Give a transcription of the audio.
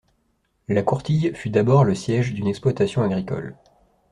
La Courtille fut d'abord le siège d'une exploitation agricole.